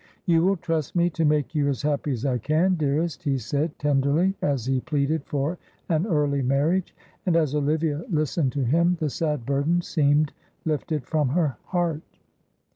"You will trust me to make you as happy as I can, dearest," he said, tenderly, as he pleaded for an early marriage. And as Olivia listened to him the sad burden seemed lifted from her heart.